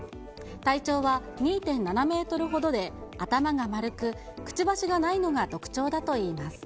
体長は２．７メートルほどで、頭が丸く、くちばしがないのが特徴だといいます。